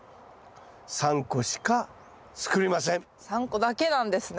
３個だけなんですね。